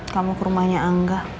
kamu ke rumahnya angga